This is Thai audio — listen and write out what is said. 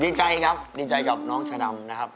ดีใจครับดีใจกับน้องชาดำนะครับ